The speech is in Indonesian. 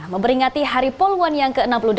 memberingati hari pol one yang ke enam puluh delapan